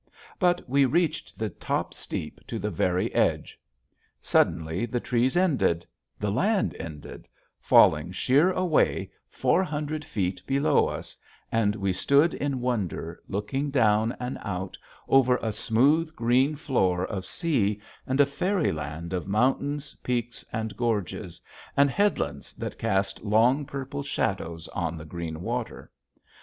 But we reached the top steep to the very edge. Suddenly the trees ended, the land ended, falling sheer away four hundred feet below us; and we stood in wonder looking down and out over a smooth green floor of sea and a fairyland of mountains, peaks and gorges, and headlands that cast long purple shadows on the green water.